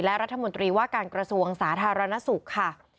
และรัฐมนตรีว่าการกระทรวงสาธารณสุขค่ะ